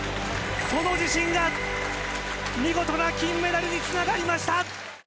その自信が見事な金メダルにつながりました！